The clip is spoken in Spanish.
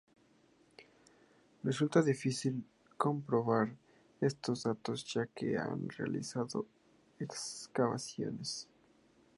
Resulta difícil comprobar estos datos ya que no se han realizado excavaciones.